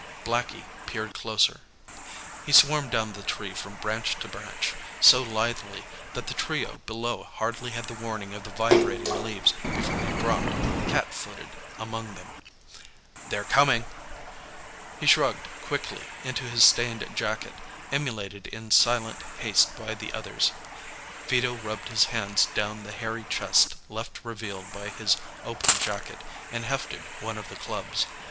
Blackie peered closer. He swarmed down the tree from branch to branch, so lithely that the trio below hardly had the warning of the vibrating leaves before he dropped, cat footed, among them. "They're comin'!" He shrugged quickly into his stained jacket, emulated in silent haste by the others. Vito rubbed his hands down the hairy chest left revealed by his open jacket and hefted one of the clubs.